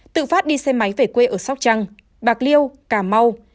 tự phát đi xe máy về quê ở sóc trăng bạc liêu cà mau